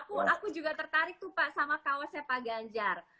aku juga tertarik tuh pak sama kaosnya pak ganjar